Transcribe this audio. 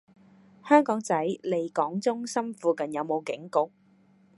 香港仔利港中心附近有無警局？